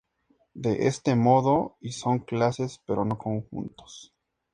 De este modo, y son clases pero no conjuntos.